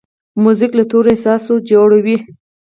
موزیک له تورو احساس جوړوي.